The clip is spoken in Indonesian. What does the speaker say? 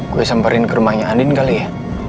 gue samperin ke rumahnya andien kali ya